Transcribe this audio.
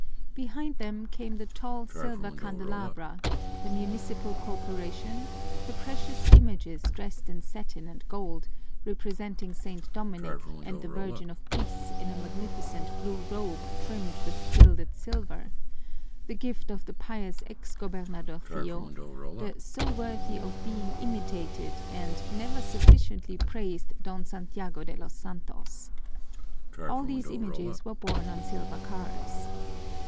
Behind them came the tall silver candelabra, the municipal corporation, the precious images dressed in satin and gold, representing St. Dominic and the Virgin of Peace in a magnificent blue robe trimmed with gilded silver, the gift of the pious ex gobernadorcillo, the so worthy of being imitated and never sufficiently praised Don Santiago de los Santos. All these images were borne on silver cars.